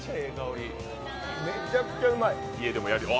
めちゃくちゃうまい。